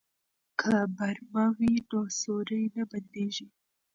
که برمه وي نو سوري نه بنديږي.